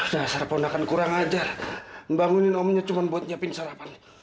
nah sarapan akan kurang ajar membangunin omnya cuma buat nyiapin sarapan